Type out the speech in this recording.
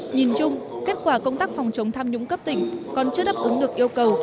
nhìn chung kết quả công tác phòng chống tham nhũng cấp tỉnh còn chưa đáp ứng được yêu cầu